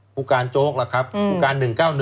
ภูการโจ๊กภูการ๑๙๑